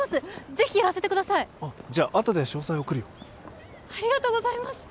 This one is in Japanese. ぜひやらせてくださいおっじゃああとで詳細送るよありがとうございます